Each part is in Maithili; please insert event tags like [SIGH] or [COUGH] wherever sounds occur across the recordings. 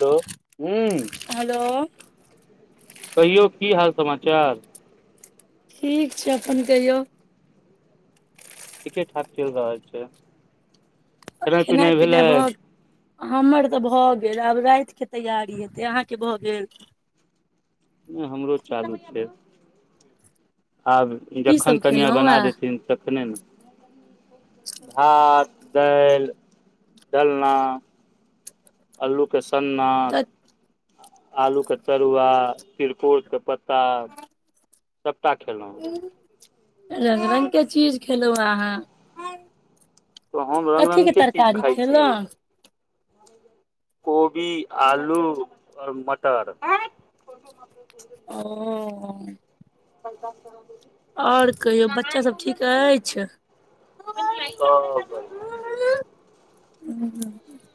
[UNINTELLIGIBLE] हुं हेलो कहियौ की हाल समाचार ठीक छै अपन कहियौ ठीके ठाक चलि रहल छै, खेनाइ पिनाइ भेलैय हमर तऽ भ गेल आब रातिके तैयारी हेतै, अहांके भ गेल। हमरो चालु छै आब की जखन सब कनिया खेलहुँ बना आ देथिन त तखने नऽ, भात दालि डलना अलुके सन्ना, त आलुके तरुआ, तिरकोरके पत्ता सबटा खेलहुं हँ रंग रंगके चीज खेलहुं अहां हम रंग रंग कथिके के चीज तरकारी खाइ छियै खेलहुं कोबी आलू और मटर ओ [UNINTELLIGIBLE] और कहियौ बच्चा सब ठीक अछि। सब बढ़िया छै हुं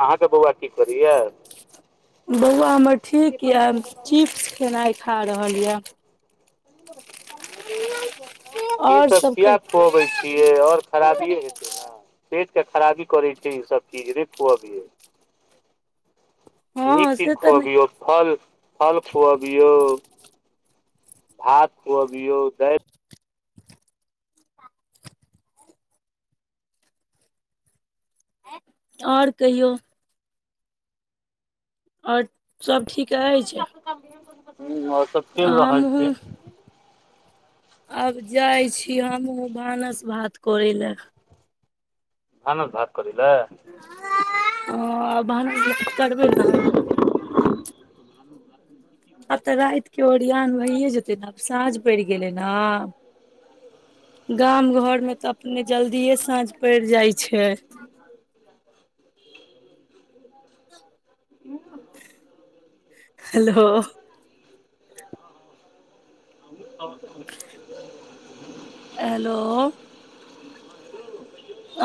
अहांके बौआ की करैये बौआ हमर ठीक यऽ चिप्स खेनाइ खा रहल यऽ इ आओर सब किया कहि खुअबै छियै छियै और खराबिये हेतै नऽ पेट के खराबी करे छै इ सब चीज, नै खुअबियौ नीक हँ चीज से तऽ नहि खुअबियौ, फल फल खुअबियौ भात खुअबियौ दालि और कहियौ और सब ठीक अछि हुं और सब चैल रहल हमहुं छै आब जाइ छी हमहुं भानस भात करय लए भानस भात करय लय हां भानस भात करबै नऽ आब [UNINTELLIGIBLE] आब तऽ रातिके ओरियान भइए जेतै नऽ आब साँझ पड़ि गेलै नऽ। गाम घरमे तऽ अपने जल्दिए साँझ पड़ि जाइ छै। हेल्लो [UNINTELLIGIBLE] हलो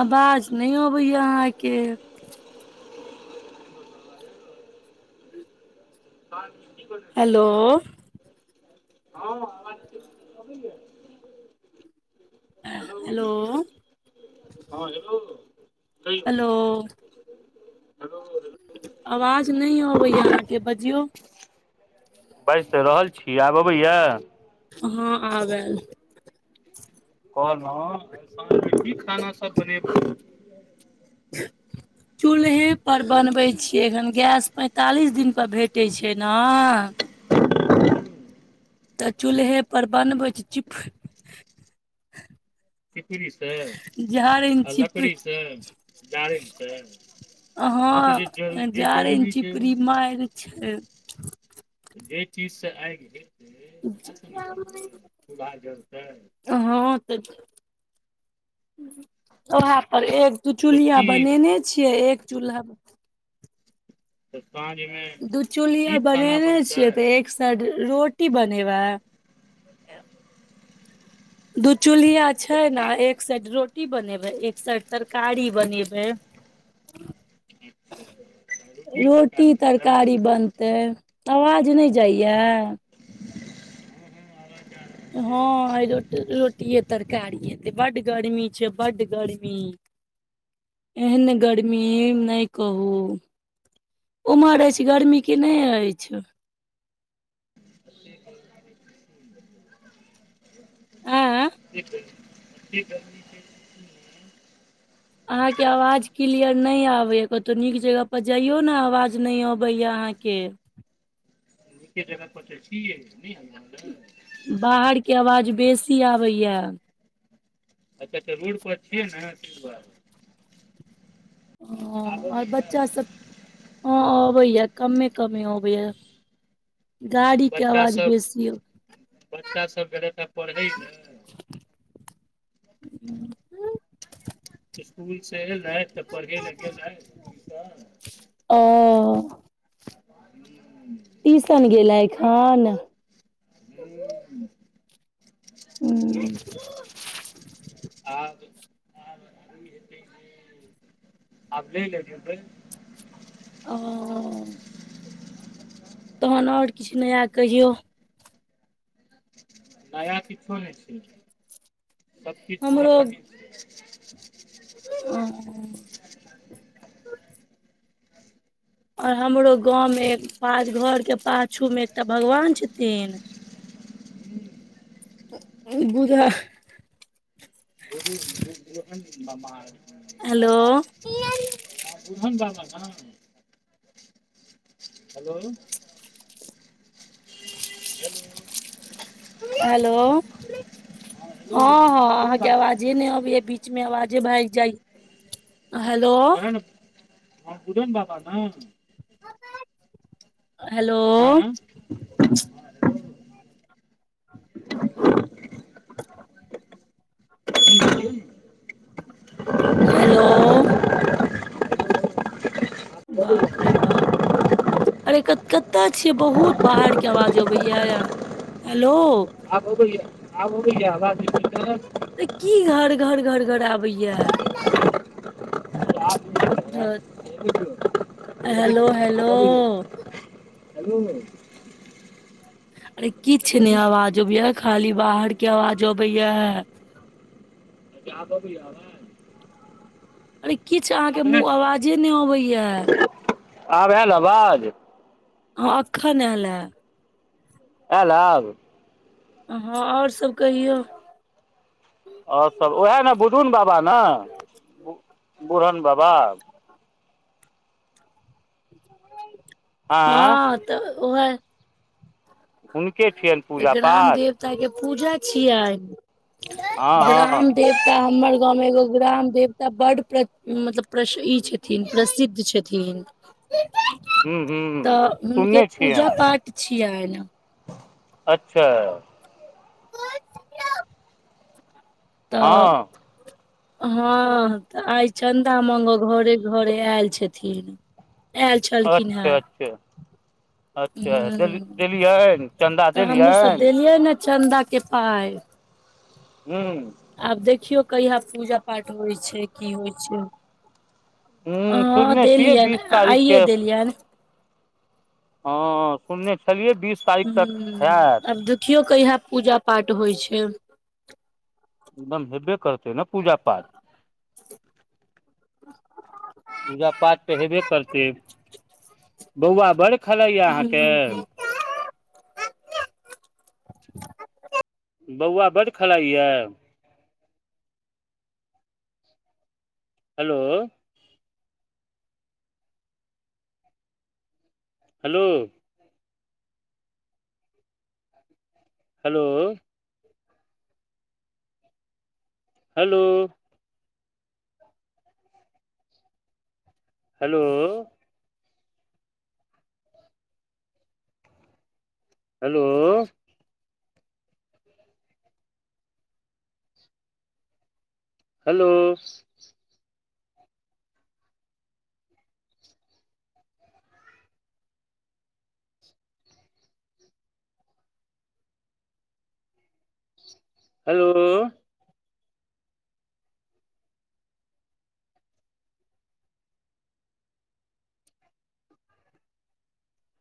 आवाज नहि अबै या अहाँके। [UNINTELLIGIBLE] [UNINTELLIGIBLE] हेलो हेलो हँ हेलो कहियौ। Hello hello. आवाज नहि अबैय अहाँके बजियौ। बाजि तऽ रहल छी आब अबैया। हँ आब ऐल। कहलु सांझ मऽ की खाना सब बनेबय। [UNINTELLIGIBLE] चूल्हे पर बनबै छियै एखन गैस पैंतालिस दिन पर भेटै छै नऽ तऽ चूल्हे पर बनबै छि चिप। सिकरी छै झारनि आ चिप लकड़ीसँ जारेन छै। हॅ जाड़ेन छै चिपड़ी मार छै। जे चीजसँ आगि हेतै ओएहसँ न करबै चूल्ह जलतै। हँ त ओह पर एक। दू तऽ चूल्हििया की बनेने छियै एक चूल्हा। तऽ साझजमे [UNINTELLIGIBLE] दू चूल्हिियाा बनेने छियै तऽ एक साइड रोटी बनेबै। दू चूल्हिा छै तऽ की नऽ एक एक साइड रोटी बनेबै एक साइड तरकारी बनेबै। रोटिए रोटी तरकारी हेतै तरकारी बनतय। तऽ आवाज नहि जाइए। हँं आय रो रोटिे तरकारी हेतय बड गर्मी छै बड गर्मी। एहन गर्मी नहि कहू। ओमहर अछि गर्मी कि नहि अछि। [INAUDIBLE] आँ [UNINTELLIGIBLE] अहा कऽ आवाज क्लियर नेय आबे या कतौ नीक जगह पर जाइयो नऽ आवाज नहि अबैया अहाँके। निके जगह पर तऽ छिये नहि आबेय आबाज बाहरके आवाज बेसी आबैय। अच्छा तऽ रोड पर छिय नऽ तेय दुआरे आब हँ आर अबैया बच्चा सब हँ अबैएा कमे कमे अबैएा। गाड़ी कऽ बच्चा आवाज सब बेसी बच्चा आबैय। सब गेलथि हे पढ़ै लए स्कुल से एलथि तऽ पढ़े ले गेलथि। ओ। टीशन गेलै एखन। ट्यूशन हू आब [UNINTELLIGIBLE] आब देय ले जेबय ओ तहन आओर किछ नया कहियौ नया किछो नहि छै सबकीछ पुराने छै ओ आओर हमरो गाँंव में एक पाज घर के पाछू में एकटा भगवान छथिन बुझह [UNINTELLIGIBLE] बाबा बाबाह हेलो बुझन बाबा न हेलो हेलो हेलो हेलो हँ हँ बुढ़न अहाँके बाबा आवाजे नहि अबये बीच बीच मे आवाजे भागि जाइ हेलो ओहे बुझन बाबा न हेलो हँ [INAUDIBLE] हेलो बाप रे बाप अरे कतअ छियै बहुत बाहर के आवाज अबैया हेलो आब अबैया आब अबैया आवाज [UNINTELLIGIBLE] त की घर घर घर घर आबैया हेलो धत्त हेलो हेलो हेलो अरे किछ ने आवाज अबैये खाली बाहर के आवाज अबैये आब अबैये आवाज अरे किछु अहाँके आब आयल मुँह आवाजे नहि अबैये आब ऐल आवाज हँ अखन ऐल हे ऐल आब हँ आओर सभ कहियौ आओर सब ओएह ने बुडुन बाबा न बुढ़न बाबा [UNINTELLIGIBLE] आँय हँ त ओहे हुनके छियनि त पूजा ग्राम पाठ देवता के पूजा छियै आय हँ [UNINTELLIGIBLE] हँ ग्राम देव त हमर गाँव मे एगो ग्राम देवता बड प्र मतलब प्रस ई छथिन प्रसिद्ध छथिन [UNINTELLIGIBLE] हूँ त हूँ हुनके सुनने पूजा छियनि पाठ छियैन अच्छा त हँ हँ त आइ चन्दा मांगअ घरे घरे आयल छथिन आयल छलखिन अच्छे हेँ अच्छे अच्छे देली ह देलियेन चन्दा देलियेन दियो न चन्दा के पाय हूँ आब देखियौ कहिया पूजा पाठ होइ छै की होइ छै हूँ ह सुनने छियै देलियन बीस तारीखके आइे देलियन हँ सुनने छलियै बीस [INAUDIBLE] तारीख हू तक हैत आब देखियो कहिया पूजा पाठ होइ छै एकदम हेबे करतै न पूजा पाठ पूजा पाठ तऽ हेबे करतै [INAUDIBLE] बौआ बड़ खेलइ यऽ अहाँकेँ ह बौआ बड़ खेलइ यऽ hello hello [INAUDIBLE] hello hello hello hello hello hello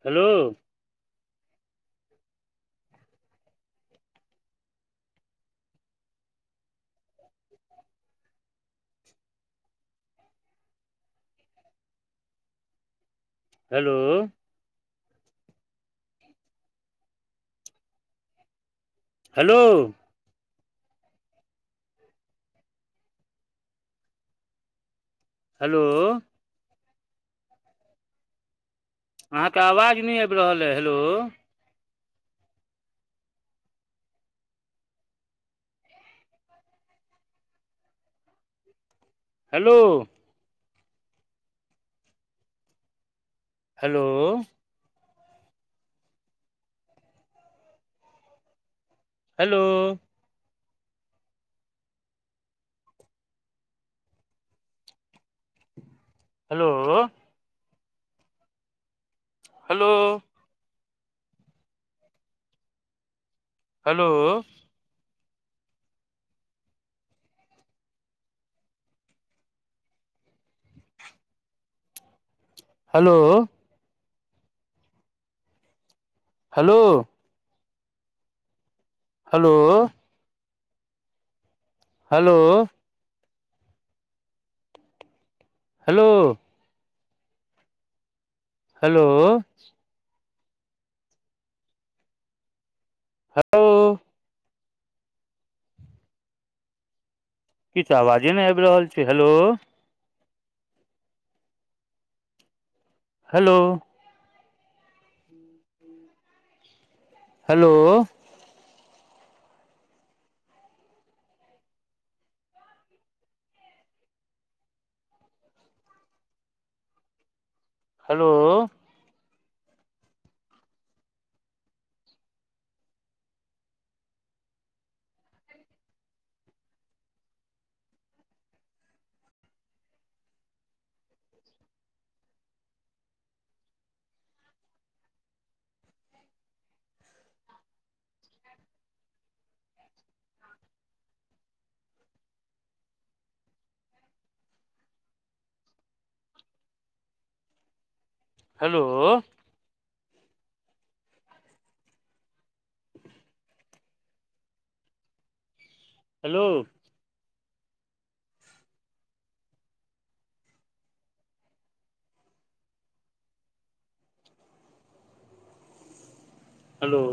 hello [INAUDIBLE] hello hello hello अहाँ कऽ आवाज नै आइब रहल है hello hello hello hello [INAUDIBLE] hello hello hello hello hello hello hello hello hello [UNINTELLIGIBLE] किछ आवाजे नै आइब रहल छै hello hello hello hello hello hello hello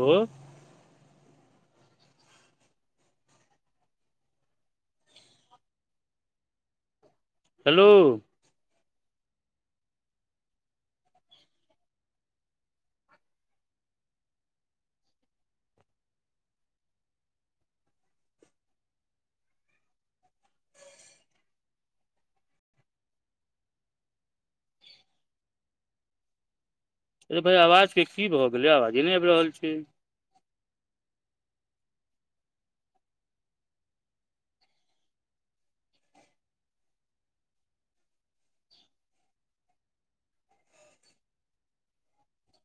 hello अरे भाय आवाज कऽ की भऽ गेलै आवाजे नै आइब रहल छै